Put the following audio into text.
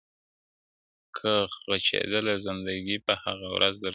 که غچيدله زنده گي په هغه ورځ درځم